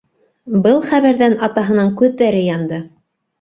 Был хәбәрҙән атаһының күҙҙәре янды.